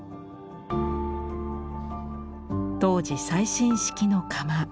当時最新式の窯。